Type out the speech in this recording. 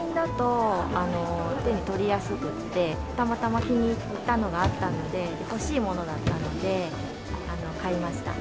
手に取りやすくて、たまたま気に入ったのがあったので、欲しいものだったので買いました。